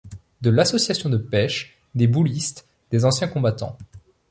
De l'association de pêche, des boulistes, des anciens combattants.